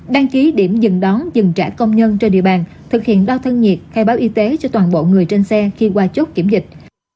đăng ký điểm dừng đón dừng trả công nhân trên địa bàn thực hiện đo thân nhiệt khai báo y tế cho toàn bộ người trên xe khi qua chốt kiểm dịch